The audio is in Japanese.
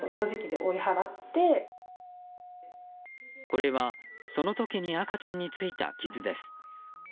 これはその時に赤ちゃんについた傷です。